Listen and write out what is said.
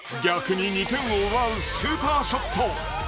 逆に２点を奪うスーパーショット！